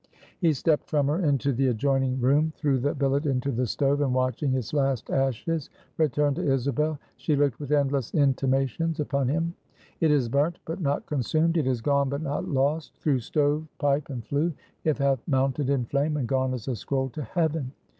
He stepped from her into the adjoining room; threw the billet into the stove, and watching its last ashes, returned to Isabel. She looked with endless intimations upon him. "It is burnt, but not consumed; it is gone, but not lost. Through stove, pipe, and flue, it hath mounted in flame, and gone as a scroll to heaven!